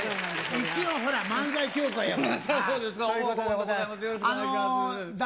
一応ほら、漫才協会やから。